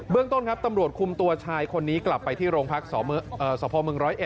เรื่องต้นครับตำรวจคุมตัวชายคนนี้กลับไปที่โรงพักษพม๑๐๑